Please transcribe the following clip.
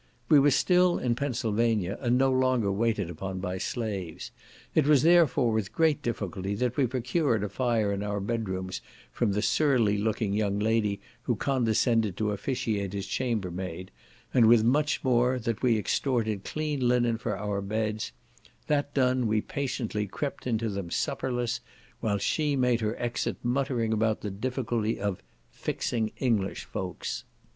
We were still in Pennsylvania, and no longer waited upon by slaves; it was, therefore, with great difficulty that we procured a fire in our bedrooms from the surly looking young lady who condescended to officiate as chambermaid, and with much more, that we extorted clean linen for our beds; that done, we patiently crept into them supperless, while she made her exit muttering about the difficulty of "fixing English folks."